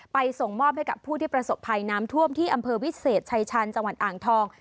ส่งมอบให้กับผู้ที่ประสบภัยน้ำท่วมที่อำเภอวิเศษชายชาญจังหวัดอ่างทอง